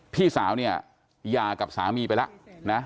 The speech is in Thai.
พี่สาวเนี่ยหย่ากับสามีไปแล้วนะ